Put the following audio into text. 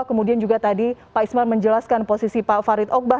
kemudian juga tadi pak isman menjelaskan posisi pak farid ogbah